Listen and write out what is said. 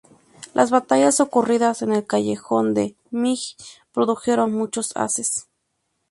Las batallas ocurridas en el Callejón de MiGs produjeron muchos ases.